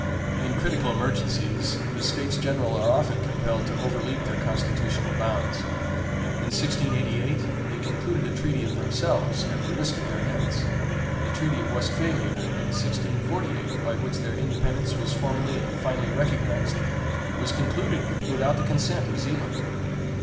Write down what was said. In critical emergencies, the States General are often compelled to overleap their constitutional bounds. In 1688, they concluded a treaty of themselves at the risk of their heads. The treaty of Westphalia, in 1648, by which their independence was formerly and finally recognized, was concluded without the consent of Zealand.